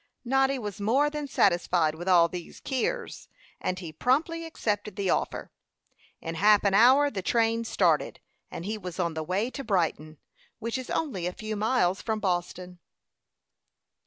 Noddy was more than satisfied with all these "keers," and he promptly accepted the offer. In half an hour the train started, and he was on the way to Brighton, which is only a few miles from Boston.